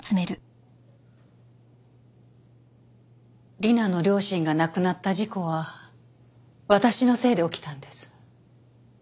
理奈の両親が亡くなった事故は私のせいで起きたんです。